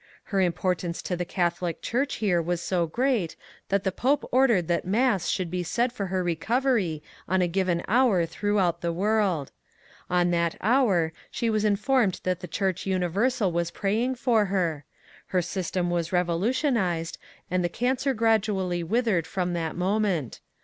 Her importance to the Catholic Church here was so gpreat that the Pope ordered that mass should be said for her recovery on a given hour throughout the world. On that hour she was informed that the Church universal was praying for her. Her system was revolutionized, and the cancer gradually withered from that moment.